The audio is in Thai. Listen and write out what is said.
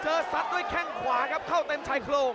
เจอสัตว์ด้วยแข่งขวาครับเข้าเต็มชายโครง